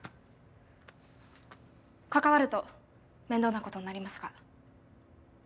関わると面倒なことになりますが。